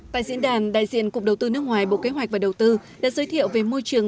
tại diễn đàn đại diện cục đầu tư nước ngoài bộ kế hoạch và đầu tư đã giới thiệu về môi trường